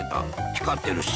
光ってるし。